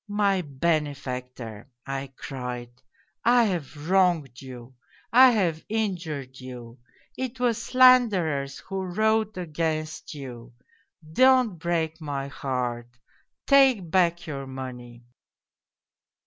' My benefactor !' I cried, ' I've wronged you, I have injured you ; it was slanderers who wrote against you ; don't break my heart, take back your money